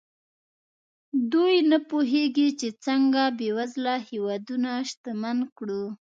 دوی نه پوهېږي چې څنګه بېوزله هېوادونه شتمن کړو.